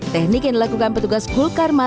teknik yang dilakukan petugas hulkar